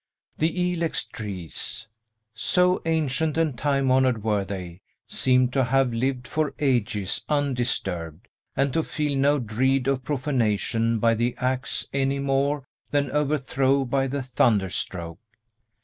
The ilex trees, so ancient and time honored were they, seemed to have lived for ages undisturbed, and to feel no dread of profanation by the axe any more than overthrow by the thunder stroke.